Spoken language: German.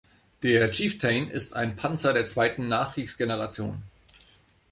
Der Chieftain ist ein Panzer der zweiten Nachkriegsgeneration.